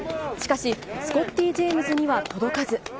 しかし、スコッティ・ジェームズには届かず。